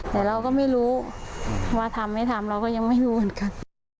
แต่เราก็ไม่รู้ว่าทำไม่ทำเราก็ยังไม่รู้เหมือนกัน